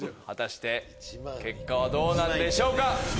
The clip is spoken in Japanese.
果たして結果はどうなんでしょうか？